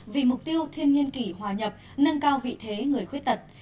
vì mục tiêu thiên nhiên kỷ hòa nhập nâng cao vị thế người khuyết tật